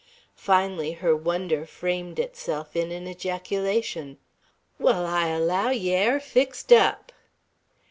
Finally her wonder framed itself in an ejaculation: "Wall, I allow yer air fixed up!"